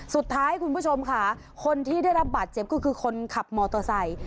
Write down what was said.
คุณผู้ชมค่ะคนที่ได้รับบาดเจ็บก็คือคนขับมอเตอร์ไซค์